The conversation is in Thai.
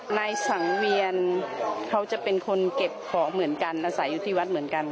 นายสังเวียนเขาจะเป็นคนเก็บของเหมือนกันอาศัยอยู่ที่วัดเหมือนกัน